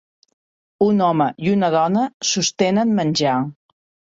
Un home i una dona sostenen menjar.